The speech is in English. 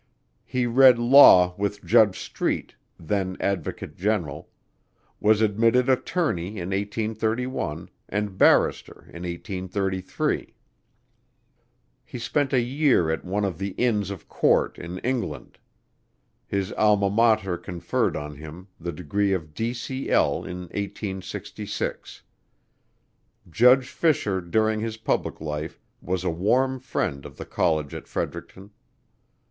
He read law with Judge Street, then Advocate General, was admitted attorney in 1831 and barrister in 1833. He spent a year at one of the Inns of Court in England. His Alma Mater conferred on him the degree of D.C.L. in 1866. Judge Fisher during his public life was a warm friend of the College at Fredericton.